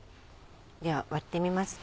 では割ってみますね。